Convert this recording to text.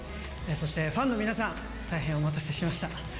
そしてファンの皆さん、大変お待たせしました。